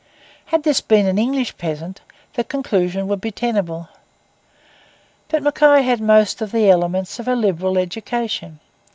Had this been an English peasant the conclusion would be tenable. But Mackay had most of the elements of a liberal education.